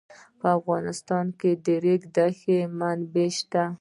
په افغانستان کې د د ریګ دښتې منابع شته.